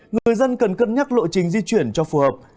người dân cần cân nhắc lộ trình di chuyển cho phù hợp